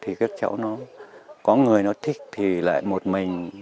thì các cháu nó có người nó thích thì lại một mình